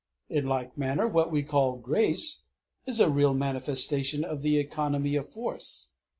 In like manner what we call grace is a real manifestation of the economy of force.